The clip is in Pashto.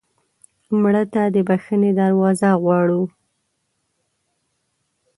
مړه ته د بښنې دروازه غواړو